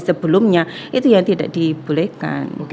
sebelumnya itu yang tidak dibolehkan